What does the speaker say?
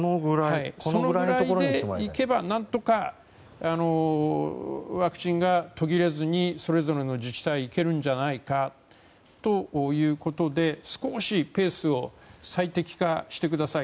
そのぐらいでいけば何とかワクチンが途切れずにそれぞれの自治体にいけるんじゃないかということで少しペースを最適化してください。